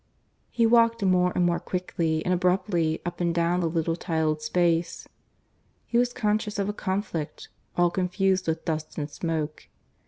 ... He walked more and more quickly and abruptly up and down the little tiled space. He was conscious of a conflict all confused with dust and smoke.